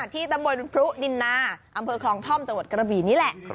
ที่ตำบลพรุดินนาอำเภอคลองท่อมจังหวัดกระบี่นี่แหละ